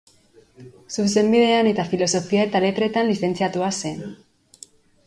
Zuzenbidean eta filosofia eta letratan lizentziatua zen.